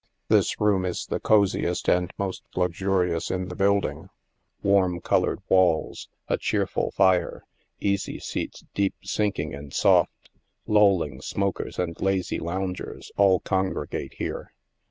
This room is the cosiest and most luxurious in the building. Warm colored walls, a cheerful fire, easy seats deep sinking and soft, lolling smokers and lazy loungers all congregate here.